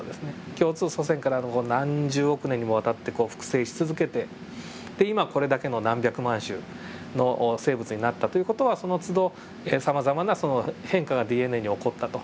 共通祖先からの何十億年にもわたって複製し続けてで今これだけの何百万種の生物になったという事はそのつどさまざまな変化がＤＮＡに起こったと。